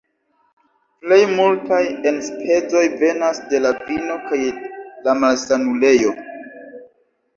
Plej multaj enspezoj venas de la vino kaj la malsanulejo.